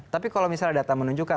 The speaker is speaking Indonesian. tapi kalau misalnya data menunjukkan